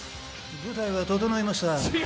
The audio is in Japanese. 舞台は整いました